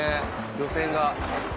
漁船が。